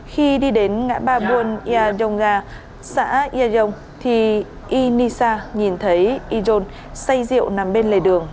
khi đi đến ngã ba buôn yà dông nga xã yà dông thì inisa nhìn thấy ijon xây rượu nằm bên lề đường